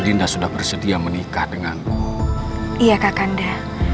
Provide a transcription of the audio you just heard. dinda juga sangat bahagia bisa menikah dengan kakanda